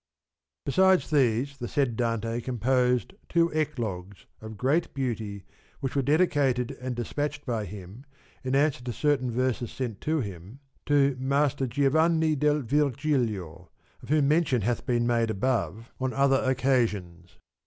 Besides these the said Dante composed two Eclogues, of great beauty, which were dedicated and despatched by him (in answer to certain verses sent to him) to Master Giovanni del Virgilio, of whom mention hath 98 been made above on other occasions.